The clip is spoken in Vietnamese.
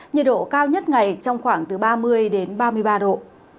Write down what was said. nhiệt độ cao nhất ngày trong khoảng từ ba mươi đến ba mươi ba độ